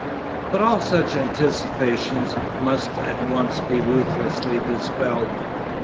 But all such anticipations must at once be ruthlessly dispelled.